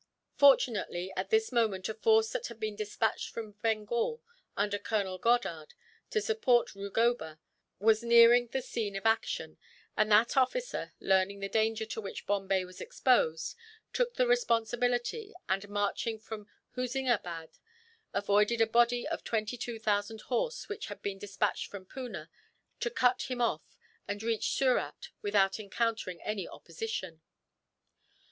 Fortunately, at this moment a force that had been despatched from Bengal, under Colonel Goddard, to support Rugoba was nearing the scene of action; and that officer, learning the danger to which Bombay was exposed, took the responsibility and, marching from Hoosingabad, avoided a body of twenty two thousand horse, which had been despatched from Poona to cut him off, and reached Surat without encountering any opposition.